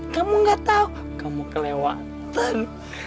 kamu gak tahu kamu kelewatan